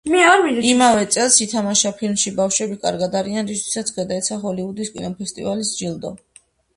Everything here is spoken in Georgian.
იმავე წელს ითამაშა ფილმში „ბავშვები კარგად არიან“, რისთვისაც გადაეცა ჰოლივუდის კინოფესტივალის ჯილდო.